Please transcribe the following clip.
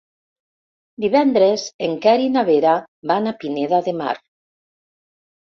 Divendres en Quer i na Vera van a Pineda de Mar.